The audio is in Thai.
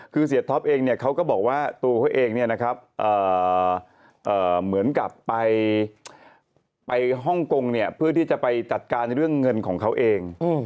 คือเสียท็อปเองเขาก็บอกว่าตัวเขาเองเหมือนกับไปฮ่องกงเพื่อที่จะไปจัดการเรื่องเงินของเขาเอง